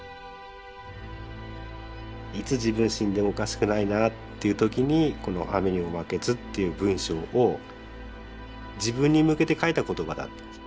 いつ自分死んでもおかしくないなっていう時にこの「雨ニモマケズ」っていう文章を自分に向けて書いた言葉だと。